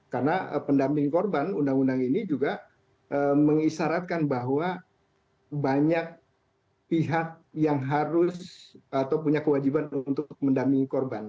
karena pendamping korban undang undang ini juga mengisaratkan bahwa banyak pihak yang harus atau punya kewajiban untuk mendampingi korban